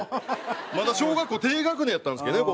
まだ小学校低学年やったんですけどね